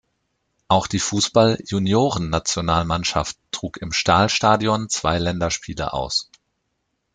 Auch die Fußball-Juniorennationalmannschaft trug im Stahl-Stadion zwei Länderspiele aus.